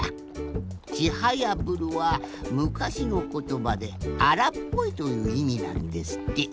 「ちはやぶる」はむかしのことばで「あらっぽい」といういみなんですって。